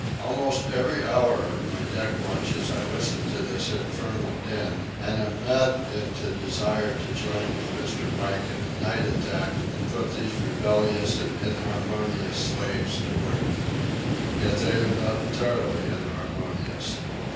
Almost every hour of my deck watches I listen to this infernal din, and am maddened into desire to join with Mr. Pike in a night attack and put these rebellious and inharmonious slaves to work. Yet they are not entirely inharmonious.